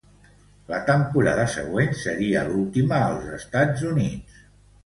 La temporada següent seria l'última als Estats Units.